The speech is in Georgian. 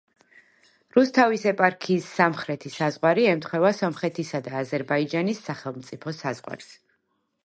რუსთავის ეპარქიის სამხრეთი საზღვარი ემთხვევა სომხეთისა და აზერბაიჯანის სახელმწიფო საზღვარს.